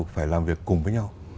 phải làm việc cùng với nhau